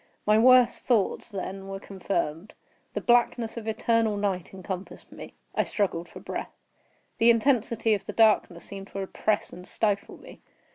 My worst thoughts, then, were confirmed. The blackness of eternal night encompassed me. I struggled for breath. The intensity of the darkness seemed to oppress and stifle me.